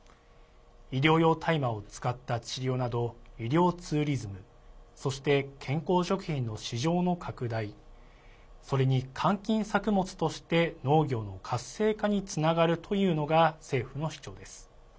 医療用大麻を使った治療など医療ツーリズムそして、健康食品の市場の拡大それに、換金作物として農業の活性化につながるというのが政府の主張です。